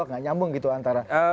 nggak nyambung gitu antara